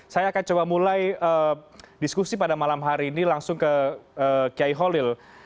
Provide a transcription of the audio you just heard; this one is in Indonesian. saya akan coba mulai diskusi pada malam hari ini langsung ke kiai holil